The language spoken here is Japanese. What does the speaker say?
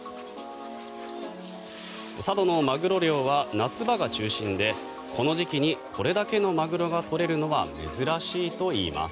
佐渡のマグロ漁は夏場が中心でこの時期に、これだけのマグロが取れるのは珍しいといいます。